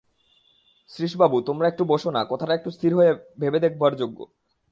শ্রীশবাবু, তোমরা একটু বোসো-না, কথাটা একটু স্থির হয়ে ভেবে দেখবার যোগ্য।